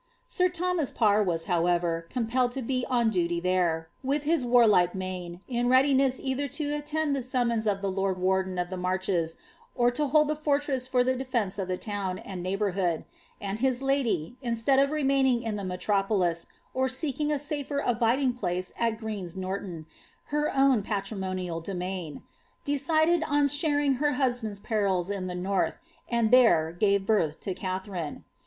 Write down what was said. Sir Thomas Pirr was, however, compelled to be on duty there, with his warlike MdiM, in readiness either to attend the summons of the lord warden of the marches, or to hold the fortress for the defence of the town and neighbourhood ; and his lady, instead of remaining in the metropolis, or •eeking a safer abiding place at Green's Norton, her own patrimonial domain, decided on sharing her husband's perils in the north, and there ^e birth to Katharine.